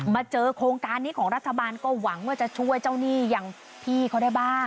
มาเจอโครงการนี้ที่เจ้านี่ก็หวังไว้ช่วยเจ้านี่อย่างพี่เค้าได้บ้าง